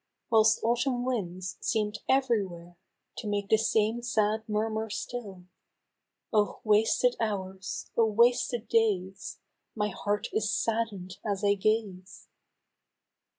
Whilst Autumn winds seemed ev'ry where To make the same sad murmur still —*' Oh ! wasted hours ! oh ! wasted days ! My heart is sadden'd as I gaze